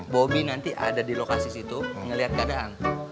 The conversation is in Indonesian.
bobi nanti ada di lokasi situ ngelihat keadaan